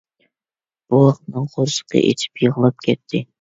بوۋاقنىڭ قورسىقى ئېچىپ يىغلاپ كەتتى.